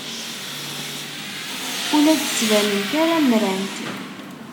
Ur la d-ttbanent ara mmrant.